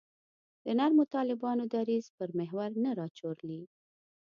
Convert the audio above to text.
د نرمو طالبانو دریځ پر محور نه راچورلي.